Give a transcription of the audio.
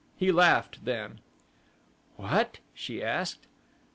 He laughed, then. "What?" she asked.